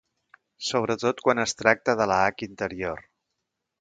Sobretot quan es tracta de la hac interior.